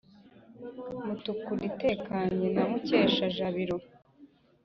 mutukura itekanye na mukesha-jabiro.